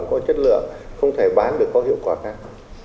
cũng không có chất lượng không thể bán được có hiệu quả cao